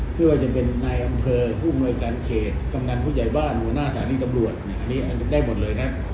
ไม่ว่าจะเป็นนายอำเภอผู้อำนวยการเขตกำนันผู้ใหญ่บ้านหัวหน้าสถานีตำรวจได้หมดเลยนะ